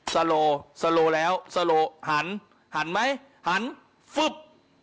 โลสโลแล้วสโลหันหันไหมหันฟึบ